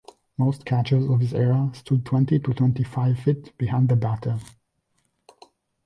Most catchers of his era stood twenty to twenty-five feet behind the batter.